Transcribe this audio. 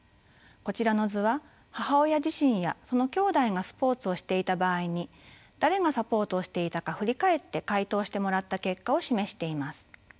こちらの図は母親自身やそのきょうだいがスポーツをしていた場合に誰がサポートをしていたか振り返って回答してもらった結果を示しています。